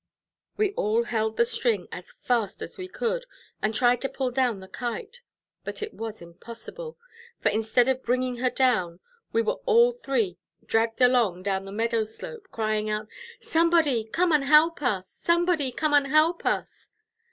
We all held the string as fast as we could, and tried to pull down the Kite; but it was impossible, for instead of bringing her down, we were all three dragged along down the meadow slope, crying out, "Somebody come and help us! somebody come and help us!"